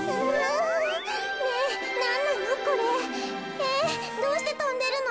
えっどうしてとんでるの？